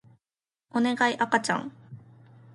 おねがい赤ちゃん